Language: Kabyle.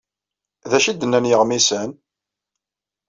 D acu ay d-nnan yiɣmisen?